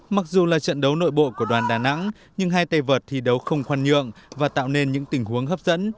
mặc dù là trận đấu nội bộ của đoàn đà nẵng nhưng hai tây vợt thì đấu không khoăn nhượng và tạo nên những tình huống hấp dẫn